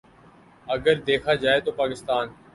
اگر دیکھا جائے تو پاکستان